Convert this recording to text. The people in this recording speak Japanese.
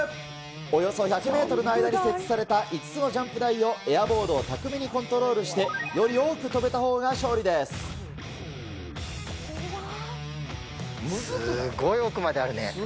およそ１００メートルの間に設置された５つのジャンプ台をエアボードを巧みにコントロールして、すごい奥まであるね。